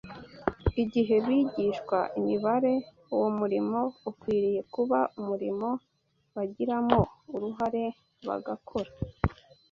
Igihe bigishwa imibare, uwo murimo ukwiriye kuba umurimo bagiramo uruhare bagakora